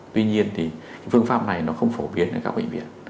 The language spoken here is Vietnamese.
tuy nhiên thì phương pháp này nó không phổ biến ở các bệnh viện